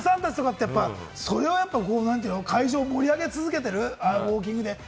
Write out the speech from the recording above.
モデルさんたちとかってやっぱり、それはやっぱり会場を盛り上げ続けている、ウオーキングで。